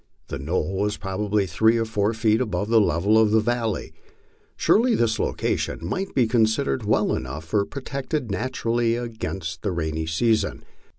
The knoll was probably three or four feet above the level of the valley. Surely this location might be considered well enough protected naturally against the rayiy season.